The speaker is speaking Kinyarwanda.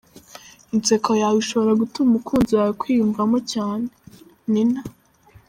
"Inseko yawe ishobora gutuma umukunzi wawe akwiyumvamo cyane" Nina.